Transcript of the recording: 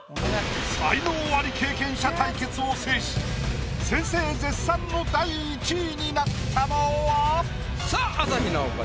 才能アリ経験者対決を制し先生絶賛の第１位になったのは⁉さあ朝日奈央か？